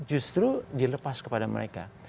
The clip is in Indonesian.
justru dilepas kepada mereka